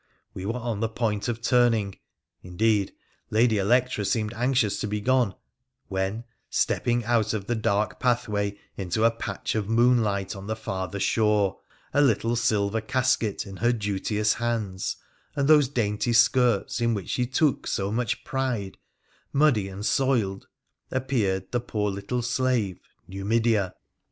We were on the point of turning ; indeed, Lady Electra seemed anxious to be gone, when, stepping out of the dark pathway into a patch of moonlight on the farther shoue, a little silver casket in her duteous hands, and those dainty skirts in which she took so much pride muddy and soiled, appeared the poor little slave Numidea.